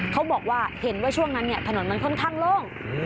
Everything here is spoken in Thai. เขาบอกว่าเห็นว่าช่วงนั้นถนนมันค่อนข้างโล่ง